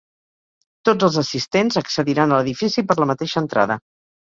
Tots els assistents accediran a l'edifici per la mateixa entrada.